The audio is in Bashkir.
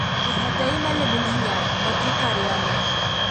— Күрһәтәйем әле мин һиңә Матрикарианы!